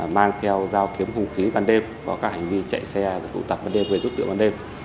mang theo giao kiếm hung khí ban đêm có các hành vi chạy xe tụ tập ban đêm về giúp tượng ban đêm